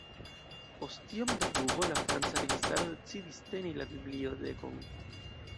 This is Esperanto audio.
Post iom da dubo, la franca registaro decidis teni la bibliotekon.